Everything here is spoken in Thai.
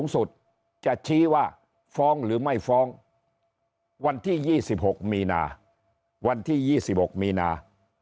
สุดจะชี้ว่าฟ้องหรือไม่ฟ้องวันที่๒๖มีนาวันที่๒๖มีนา